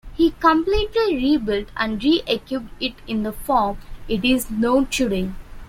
He completely rebuilt and re-equipped it in the form it is known today.